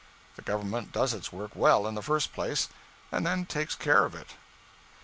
The Government does its work well in the first place, and then takes care of it.